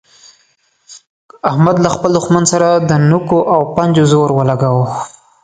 احمد له خپل دوښمن سره د نوکو او پنجو زور ولګاوو.